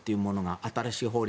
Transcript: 新しい法律。